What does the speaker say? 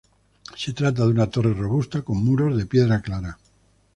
Se trata de una torre robusta, con muros de piedra clara.